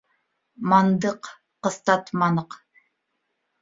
Мандыҡ, ҡыҫтатманыҡ.